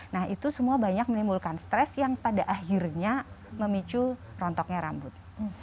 nah itu semua banyak menimbulkan stres yang pada akhirnya memicu rontoknya rambut